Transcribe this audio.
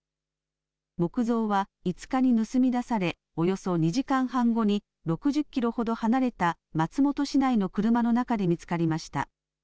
木像は５日に盗み出されおよそ２時間半後に６０キロほど離れた松本市内の車の中で見つかりました。